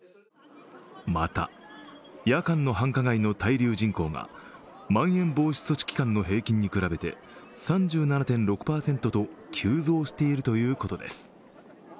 また、夜間の繁華街の滞留人口がまん延防止措置期間の平均に比べて３７．６％と急増しているということです。